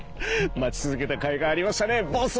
待ちつづけたかいがありましたねボス！